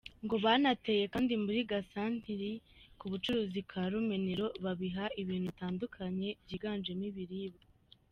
Ngo banateye kandi muri gasanteri k’ubucuruzi ka Rumenero, bahiba ibintu bitandukanye byiganjemo ibiribwa.